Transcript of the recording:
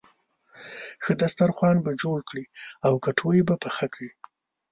ښه دسترخوان به جوړ کړې او کټوۍ به پخه کړې.